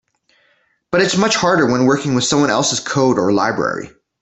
But it's much harder when working with someone else's code or library.